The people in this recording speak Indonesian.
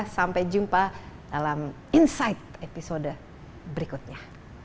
sampai jumpa dalam insight episode berikutnya